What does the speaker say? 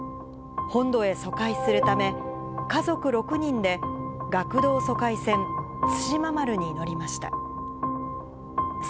本土へ疎開するため、家族６人で、学童疎開船、対馬丸に乗りました。